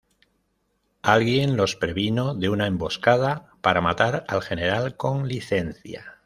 Alguien los previno de una emboscada para matar al general con licencia.